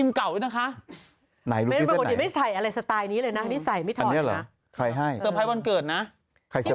ในซ่อไพรส์อะไรใครให้ใครให้